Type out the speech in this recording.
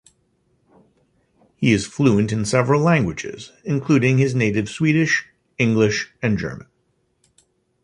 He is fluent in several languages including his native Swedish, English and German.